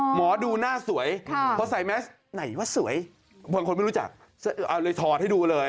หมอดูหน้าสวยพอใส่แมสไหนว่าสวยบางคนไม่รู้จักเลยถอดให้ดูเลย